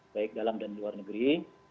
baik dalam dan luar negeri